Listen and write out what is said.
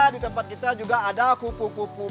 di tempat kita juga ada kupu kupu